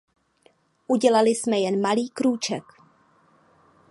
Udělali jsme jen malý krůček.